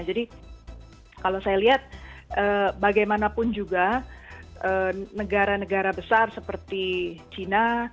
jadi kalau saya lihat bagaimanapun juga negara negara besar seperti china